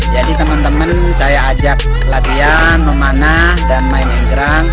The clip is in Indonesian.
jadi teman teman saya ajak latihan memanah dan main egrang